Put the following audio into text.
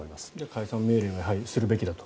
解散命令はすべきだと？